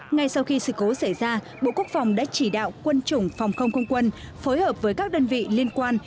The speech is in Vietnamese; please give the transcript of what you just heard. ngay sau khi sự cố xảy ra bộ quốc phòng đã chỉ đạo quân chủng phòng không không quân phối hợp với các đơn vị liên quan